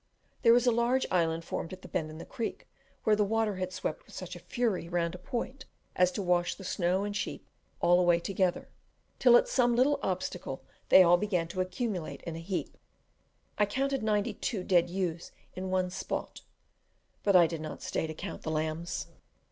There was a large island formed at a bend in the creek, where the water had swept with such fury round a point as to wash the snow and sheep all away together, till at some little obstacle they began to accumulate in a heap. I counted ninety two dead ewes in one spot, but I did not stay to count the lambs.